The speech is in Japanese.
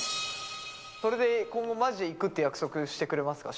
それで、今後マジでいくって約束してくれますか？